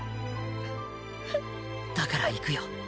だから行くよ。